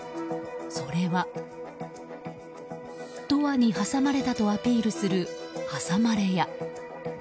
それは、ドアに挟まれたとアピールする挟まれ屋。